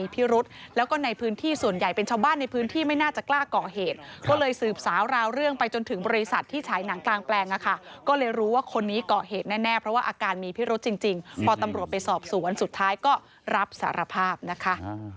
พอตำรวจไปสอบสู่วันสุดท้ายก็รับสารภาพนะคะ